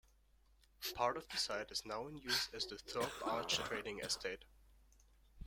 Part of the site is now in use as the Thorp Arch Trading Estate.